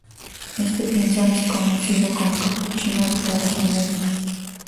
Este pinzón es conocido como capuchino de cabeza negra.